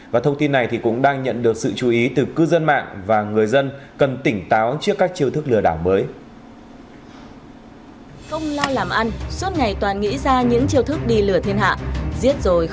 và thông tin này cũng đang nhận được sự chú ý từ cư dân mạng và người dân cần tỉnh táo trước các chiêu thức lừa đảo mới